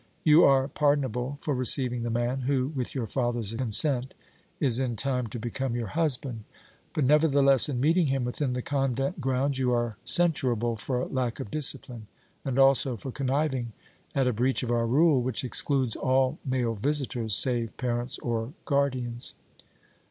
"You are pardonable for receiving the man, who, with your father's consent, is in time to become your husband; but, nevertheless, in meeting him within the convent grounds you are censurable for lack of discipline, and also for conniving at a breach of our rule which excludes all male visitors, save parents or guardians."